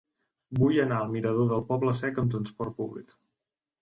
Vull anar al mirador del Poble Sec amb trasport públic.